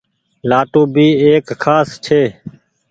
لآٽون ڀي ايڪ کآس ڇي۔